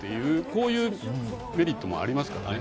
こういうメリットもありますから。